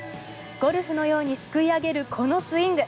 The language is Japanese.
ゴルフのようにすくい上げるこのスイング。